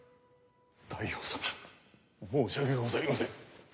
大王様申し訳ございません。